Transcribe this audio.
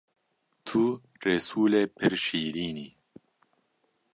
Tu Resûlê pir şîrîn î